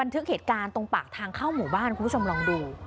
ทางเข้าหมู่บ้านคุณผู้ชมลองดู